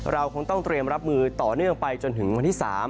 เราคงต้องเตรียมรับมือต่อเนื่องไปจนถึงวันที่๓